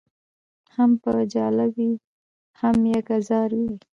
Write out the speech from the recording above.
هم به جاله وي هم یکه زار وي